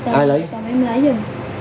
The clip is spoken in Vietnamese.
có nhưng mà ai lấy